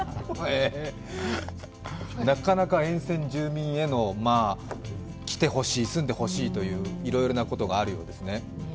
なかなか沿線住民への来てほしい、住んでほしいという、いろいろなことがあるようですね。